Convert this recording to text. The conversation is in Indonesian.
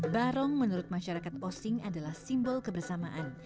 barong menurut masyarakat osing adalah simbol kebersamaan